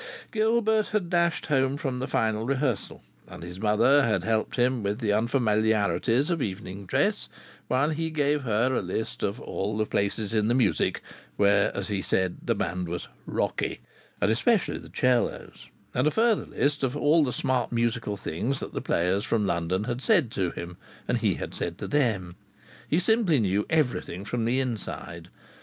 Gilbert had dashed home from the final rehearsal, and his mother had helped him with the unfamiliarities of evening dress, while he gave her a list of all the places in the music where, as he said, the band was "rocky," and especially the 'cellos, and a further list of all the smart musical things that the players from London had said to him and he had said to them. He simply knew everything from the inside.